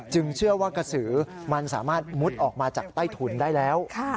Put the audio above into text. เชื่อว่ากระสือมันสามารถมุดออกมาจากใต้ถุนได้แล้ว